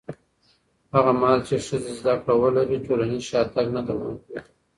هغه مهال چې ښځې زده کړه ولري، ټولنیز شاتګ نه دوام کوي.